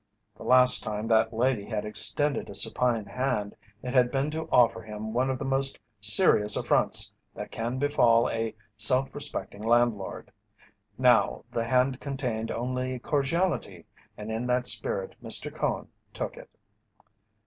The last time that lady had extended a supine hand it had been to offer him one of the most serious affronts that can befall a self respecting landlord; now the hand contained only cordiality, and in that spirit Mr. Cone took it.